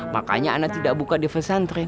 makanya anak tidak buka defesan tren